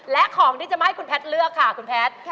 และของที่จะมาให้คุณแพทย์เลือกค่ะคุณแพทย์